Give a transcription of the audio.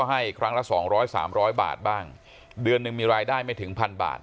ให้ครั้งละ๒๐๐๓๐๐บาทบ้างเดือนนึงมีรายได้ไม่ถึงพันบาท